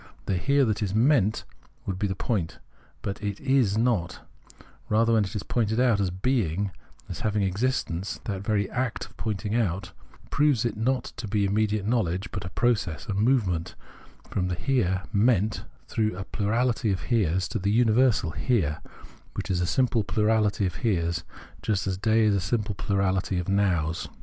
The Here that is " meant " would be the point. But it is not : rather, when it is pointed out as being, as having existence, that very act of pointing out proves it to be not immediate knowledge, but a process, a movement from the Here " meant " through a plurality of Heres to the universal Here, which is a simple plurality of Heres, just as day is a simple plurality of Nows.